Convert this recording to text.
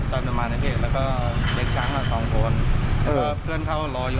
ต้องแบบสี่ถือของเข้าข้างบนเนียยม